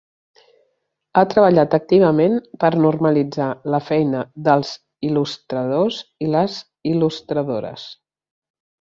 Ha treballat activament per normalitzat la feina dels il·lustradors i les il·lustradores.